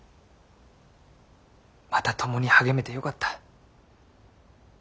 また共に励めてよかった。